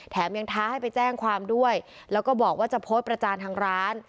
ยังท้าให้ไปแจ้งความด้วยแล้วก็บอกว่าจะโพสต์ประจานทางร้าน